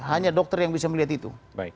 hanya dokter yang bisa melihat itu